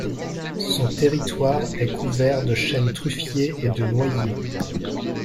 Son territoire est couvert de chênes truffiers et de noyers.